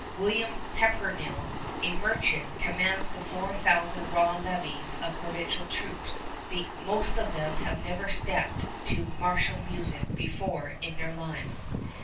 William Pepperrell, a merchant, commands the four thousand raw levies of provincial troops, the most of whom have never stepped to martial music before in their lives.